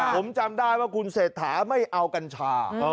ผมจำได้ว่าคุณเศรษฐาไม่เอากัญชา